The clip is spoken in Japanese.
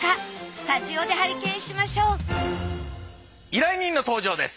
スタジオで拝見しましょう依頼人の登場です。